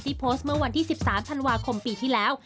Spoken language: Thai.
โพสต์เมื่อวันที่๑๓ธันวาคมปีที่แล้ว